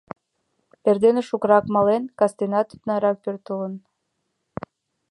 Эрдене шукырак мален, кастенат ондакрак пӧртылын.